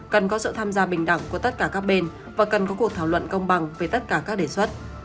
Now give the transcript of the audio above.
cần có sự tham gia bình đẳng của tất cả các bên và cần có cuộc thảo luận công bằng về tất cả các đề xuất